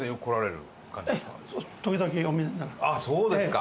あっそうですか。